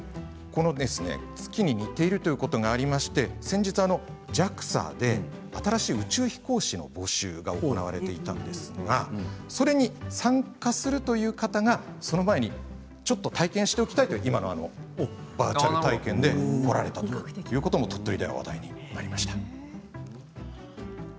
この月に似ているということがありまして、先日ＪＡＸＡで新しい宇宙飛行士の募集が行われていたんですがそれに参加するという方がその前にちょっと体験しておきたいと今のバーチャル体験で来られたということも鳥取では話題になりました。